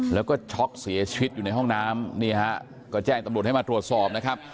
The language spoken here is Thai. แล้วก็ช็อกเสียชีวิตอยู่ในห้องน้ำนี่ฮะก็แจ้งตำรวจให้มาตรวจสอบนะครับ